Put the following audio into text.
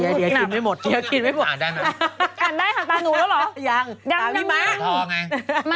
แต่จะอ่านได้ไหม